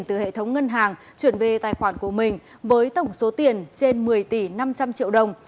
từ hệ thống ngân hàng chuyển về tài khoản của mình với tổng số tiền trên một mươi tỷ năm trăm linh triệu đồng